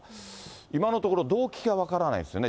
今のところ、動機が分からないですよね。